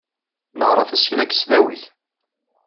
Neɣra tasekla deg tesdawit.